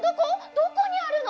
どこにあるの！？